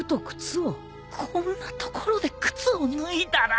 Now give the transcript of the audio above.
こんなところで靴を脱いだら。